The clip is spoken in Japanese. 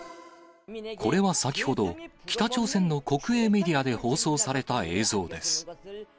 これは先ほど、北朝鮮の国営メディアで放送された映像です。